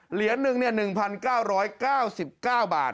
เหรียญหนึ่งเนี่ยหนึ่งพันเก้าร้อยเก้าสิบเก้าบาท